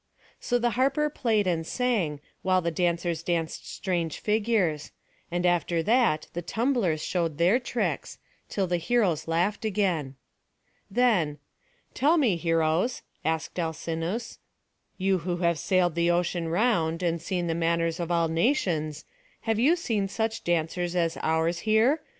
So the harper played and sang, while the dancers danced strange figures; and after that the tumblers showed their tricks, till the heroes laughed again. Then, "Tell me, heroes," asked Alcinous, "you who have sailed the ocean round, and seen the manners of all nations, have you seen such dancers as ours here?